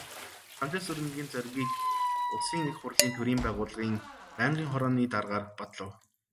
Санжаасүрэнгийн Зоригийг Улсын Их Хурлын төрийн байгуулалтын байнгын хорооны даргаар батлав.